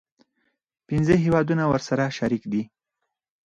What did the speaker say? پنځه هیوادونه ورسره شریک دي.